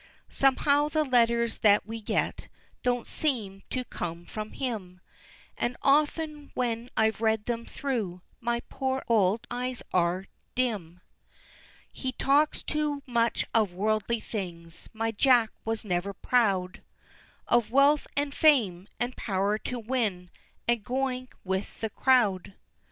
_ Somehow the letters that we get Don't seem to come from him, And often when I've read them through My poor old eyes are dim, He talks too much of worldly things My Jack was never proud, Of wealth and fame, and power to win, And going with the crowd.